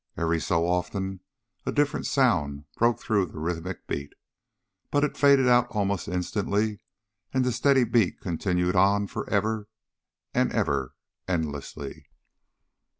Every so often a different sound broke through the rhythmic beat, but it faded out almost instantly, and the steady beat continued on forever and ever endlessly.